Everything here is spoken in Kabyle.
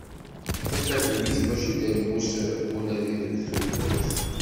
Takadimit mačči d almus unadi deg tutlayt.